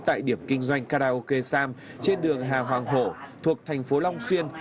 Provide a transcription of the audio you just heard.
tại điểm kinh doanh karaoke sam trên đường hà hoàng hổ thuộc thành phố long xuyên